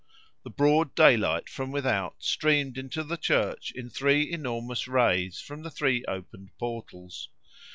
The broad daylight from without streamed into the church in three enormous rays from the three opened portals.